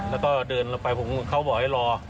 แล้วก็เดินลงไปผมเขาบอกให้รอ